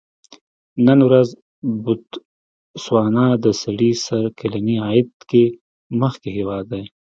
نن ورځ بوتسوانا د سړي سر کلني عاید کې مخکې هېواد دی.